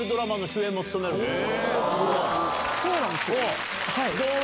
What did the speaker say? そうなんですよ。